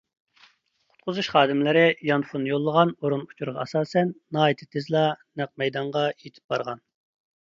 قۇتقۇزۇش خادىملىرى يانفون يوللىغان ئورۇن ئۇچۇرىغا ئاساسەن، ناھايىتى تېزلا نەق مەيدانغا يېتىپ بارغان.